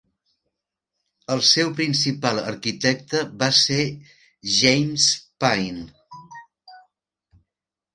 El seu principal arquitecte va ser James Pain.